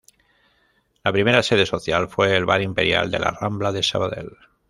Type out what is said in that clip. La primera sede social fue el bar Imperial de la Rambla de Sabadell.